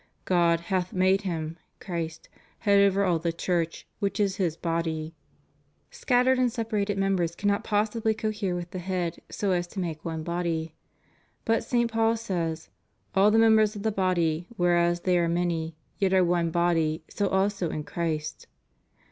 God hath made Him (Christ) head over all the Church, which is His body.^ Scattered and separated members cannot possibly cohere with the head so as to make one body. But St. Paul says: All the members of the body, whereas they are many, yet are one body, so also is Christ.